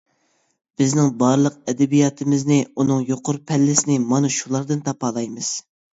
بىزنىڭ بارلىق ئەدەبىياتىمىزنى، ئۇنىڭ يۇقىرى پەللىسىنى مانا شۇلاردىن تاپالايمىز.